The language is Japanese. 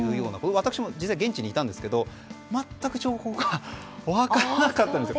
私も実際現地にいたんですが全く情報が分からなかったんです。